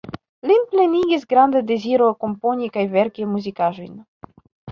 Lin plenigis granda deziro komponi kaj verki muzikaĵojn.